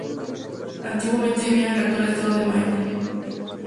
Antiguamente vivían en el actual estado de Maine.